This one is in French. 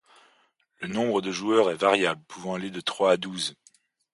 Le nombre de joueurs est variable pouvant aller de trois à douze.